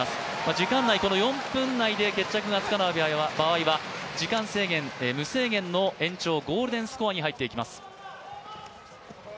時間内、この４分内で決着がつかない場合は時間制限、無制限の延長ゴールデンスコアに入っていきます。